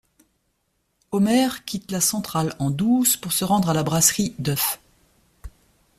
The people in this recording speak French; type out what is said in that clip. Homer quitte la centrale en douce pour se rendre à la brasserie Duff.